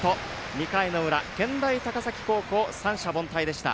２回の裏健大高崎高校、三者凡退でした。